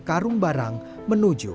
karung barang menuju